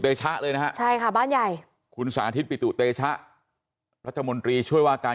เทชะเลยนะครับบ้านใหญ่หุ้นสาธิตตุ๊กเตยชะรัฐมนตรีช่วยว่าการ